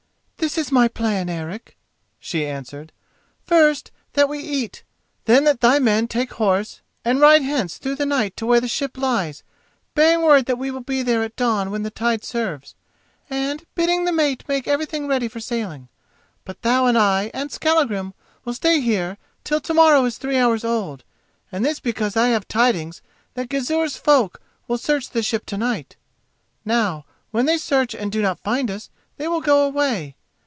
"This is my plan, Eric," she answered. "First, that we eat; then that thy men take horse and ride hence through the night to where the ship lies, bearing word that we will be there at dawn when the tide serves, and bidding the mate make everything ready for sailing. But thou and I and Skallagrim will stay here till to morrow is three hours old, and this because I have tidings that Gizur's folk will search the ship to night. Now, when they search and do not find us, they will go away.